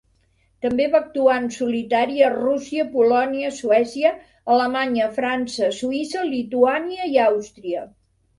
També va actuar en solitari a Rússia, Polònia, Suècia, Alemanya, França, Suïssa, Lituània i Àustria.